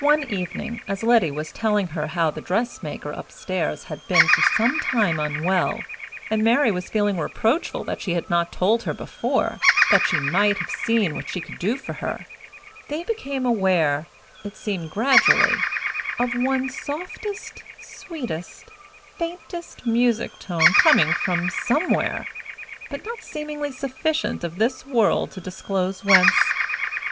One evening, as Letty was telling her how the dressmaker up stairs had been for some time unwell, and Mary was feeling reproachful that she had not told her before, that she might have seen what she could do for her, they became aware, it seemed gradually, of one softest, sweetest, faintest music tone coming from somewhere but not seeming sufficiently of this world to disclose whence.